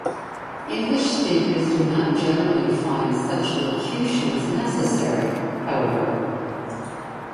English speakers do not generally find such locutions necessary, however.